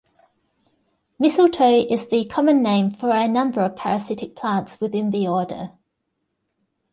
Mistletoe is the common name for a number of parasitic plants within the order.